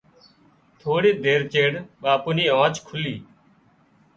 ٿوڙي دير چيڙ ٻاپو ني آنڇ کُلي